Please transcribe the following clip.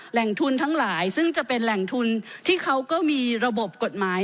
แหล่งทุนทั้งหลายซึ่งจะเป็นแหล่งทุนที่เขาก็มีระบบกฎหมาย